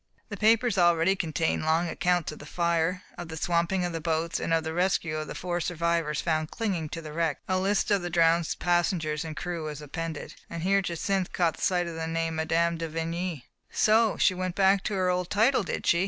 The papers already contained long accounts of the fire, of the swamping of the boats, and of the rescue of the four survivors found clinging to the wreck. A list of the drowned passengers and crew was appended, and here Jacynth caught sight of the name of Mme. de Vigny. "So she went back to her old title, did she?"